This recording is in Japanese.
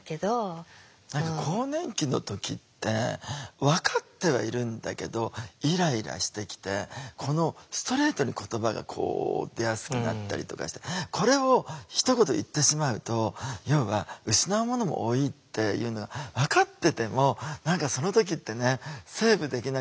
何か更年期の時って分かってはいるんだけどイライラしてきてこのストレートに言葉が出やすくなったりとかしてこれをひと言言ってしまうと要は失うものも多いっていうのが分かってても何かその時ってねセーブできなくって。